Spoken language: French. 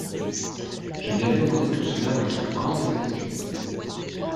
Je lui avais mandé tout cela avec la plus grande exactitude.